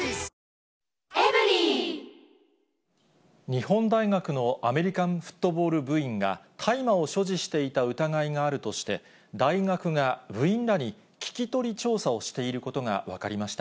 日本大学のアメリカンフットボール部員が、大麻を所持していた疑いがあるとして、大学が部員らに聞き取り調査をしていることが分かりました。